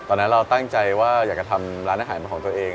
ตอนนั้นเราตั้งใจว่าอยากจะทำร้านอาหารเป็นของตัวเอง